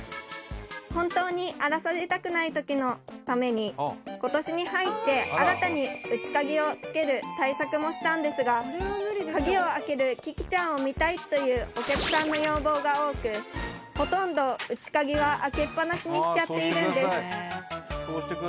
本当に荒らされたくない時のために今年に入って新たに内鍵をつける対策もしたんですが鍵を開けるキキちゃんを見たいというお客さんの要望が多くほとんど内鍵は開けっぱなしにしちゃっているんです